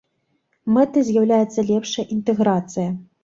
Мэтай з'яўляецца лепшая інтэграцыя.